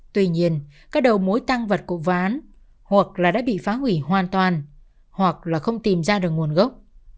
tuy nhiên các đầu mối tăng vật của ván hoặc là đã bị phá hủy hoàn toàn hoặc là không tìm ra được nguồn gốc